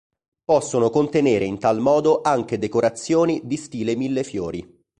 Possono contenere in tal modo anche decorazioni di stile millefiori.